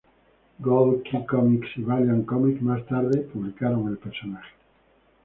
Gold Key Comics y Valiant Comics más tarde publicaron el personaje.